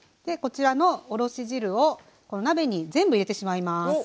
こちらのおろし汁を鍋に全部入れてしまいます。